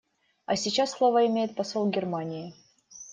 А сейчас слово имеет посол Германии.